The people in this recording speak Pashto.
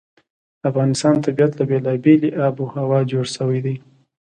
د افغانستان طبیعت له بېلابېلې آب وهوا جوړ شوی دی.